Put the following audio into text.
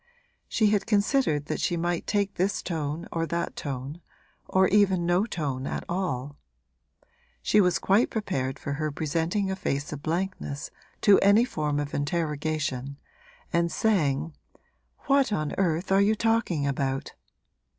She had considered that she might take this tone or that tone or even no tone at all; she was quite prepared for her presenting a face of blankness to any form of interrogation and saying, 'What on earth are you talking about?'